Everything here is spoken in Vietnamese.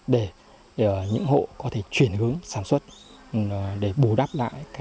để những hộ có thể chuyển hướng sản xuất